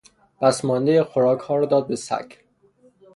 پسماندهی خوراکها را داد به سگ.